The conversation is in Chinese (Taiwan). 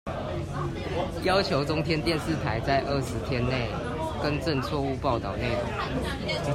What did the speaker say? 要求中天電視台在二十天內更正錯誤報導內容